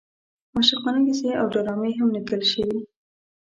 عاشقانه کیسې او ډرامې هم لیکل شوې.